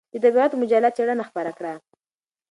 د طبعیت مجله څېړنه خپره کړه.